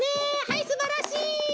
はいすばらしい！